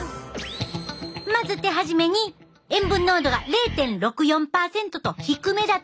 まず手始めに塩分濃度が０．６４％と低めだった西川さんから。